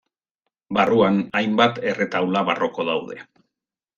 Barruan, hainbat erretaula barroko daude.